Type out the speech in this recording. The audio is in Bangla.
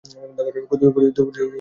দুর্গটি দুটি তলা নিয়ে গঠিত।